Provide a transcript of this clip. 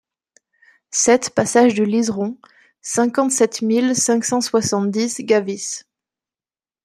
sept passage du Liseron, cinquante-sept mille cinq cent soixante-dix Gavisse